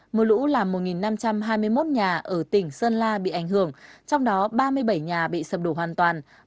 mưa lũ làm một năm trăm hai mươi một nhà ở tỉnh sơn la bị ảnh hưởng trong đó ba mươi bảy nhà bị sập đổ hoàn toàn